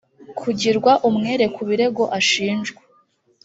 kugirwa umwere ku birego ashinjwa